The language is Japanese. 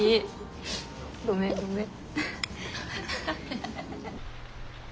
ごめんごめん。